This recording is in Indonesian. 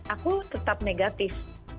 aku tetap negatif